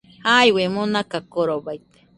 Jaiue nomaka korobaite